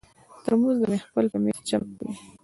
ترموز د محفل پر مېز چمک کوي.